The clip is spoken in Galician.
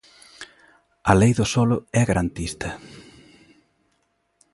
A Lei do solo é garantista.